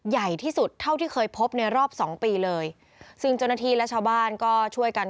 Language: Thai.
ใหญ่ที่สุดเท่าที่เคยพบในรอบสองปีเลยซึ่งเจ้าหน้าที่และชาวบ้านก็ช่วยกัน